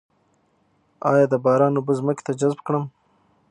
آیا د باران اوبه ځمکې ته جذب کړم؟